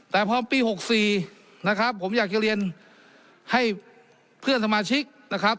แต่พอปี๖๔นะครับผมอยากจะเรียนให้เพื่อนสมาชิกนะครับ